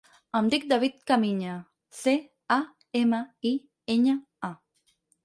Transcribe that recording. Em dic David Camiña: ce, a, ema, i, enya, a.